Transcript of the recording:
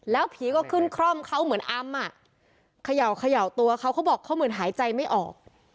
แล้วผีก็ขึ้นคร่อมเขาเหมือนอำอ่ะเขย่าเขย่าตัวเขาเขาบอกเขาเหมือนหายใจไม่ออก